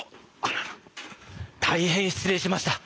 大変失礼しました。